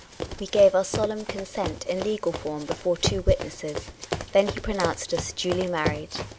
We gave our solemn consent in legal form before two witnesses. Then he pronounced us duly married.